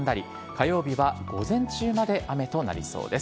火曜日は午前中まで雨となりそうです。